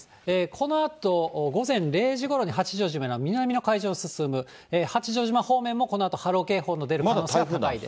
このあと午前０時ごろに、八丈島南の海上へ進む、進む、八丈島方面もこのあと波浪警報の出る可能性が高いです。